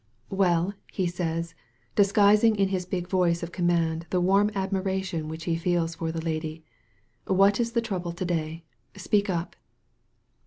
'^Well,'' he says, disguising in his big voice of conunand the warm admiration which he feels for the lady, *'what is the trouble to day? Speak up.